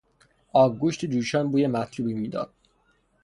آبگوشت جوشان بوی مطلوبی میداد.